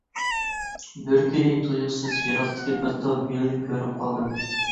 بىر كۈنى تۇيۇقسىز يىراقتىكى بىر تال گۈلنى كۆرۈپ قالدىم.